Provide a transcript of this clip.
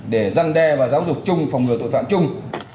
để giăn đe và giáo dục chung phòng ngừa tội phạm chung